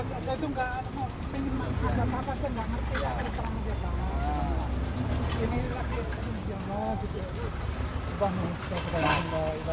saya itu gak mau saya gak ngerti ya ada perangnya banget